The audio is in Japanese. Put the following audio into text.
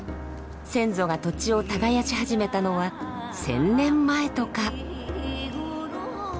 先祖が土地を耕し始めたのは１，０００年前とか。